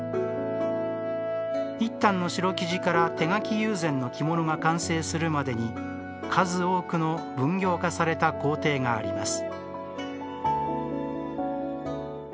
一反の白生地から手描き友禅の着物が完成するまでに数多くの分業化された工程があります。